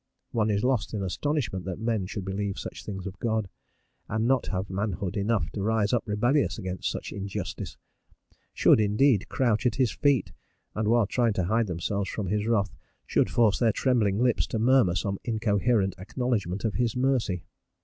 One is lost in astonishment that men should believe such things of God, and not have manhood enough to rise up rebellious against such injustice should, instead, crouch at his feet, and while trying to hide themselves from his wrath should force their trembling lips to murmur some incoherent acknowledgment of his mercy.